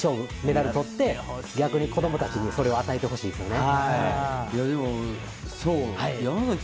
いい勝負、メダル取って子供たちにそれを与えてほしいですね。